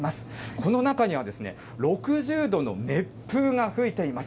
この中には、６０度の熱風が吹いています。